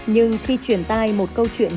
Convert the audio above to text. nhưng khi chuyển tai một câu chuyện